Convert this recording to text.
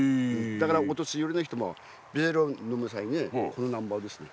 だからお年寄りの人もビールを飲む際にこのナンバをですね。